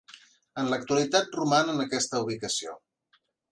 En l'actualitat roman en aquesta ubicació.